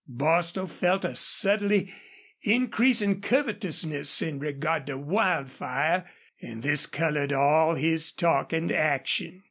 Bostil felt a subtly increasing covetousness in regard to Wildfire, and this colored all his talk and action.